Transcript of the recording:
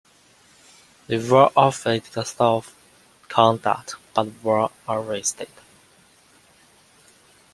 They were offered safe conduct but were arrested.